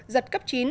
giật cấp chín